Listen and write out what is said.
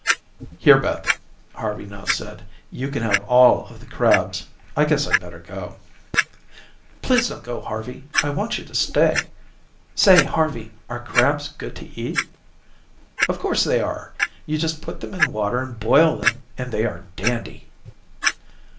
"Here, Beth," Harvey now said, "you can have all of the crabs; I guess I'd better go." "Please don't go, Harvey; I want you to stay. Say, Harvey, are crabs good to eat?" "Of course, they are. You just put them in water and boil them and they are dandy."